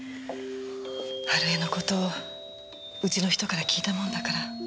春枝の事うちの人から聞いたもんだから。